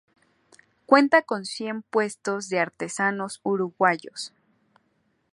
Cuenta con cien puestos de artesanos uruguayos.